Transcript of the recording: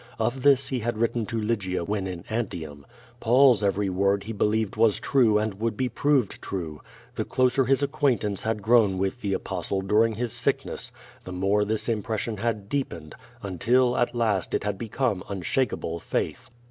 Of this he had written to Lygia when in Antium. Paul's eveiy word he be lieved was true and would be proved true. The closer his acquaintance had grown with tlie Apostle during his sick ness, the more this impression had deepened, until at last it had become unshakable faith.